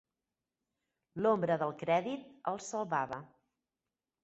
L'ombra del crèdit els salvava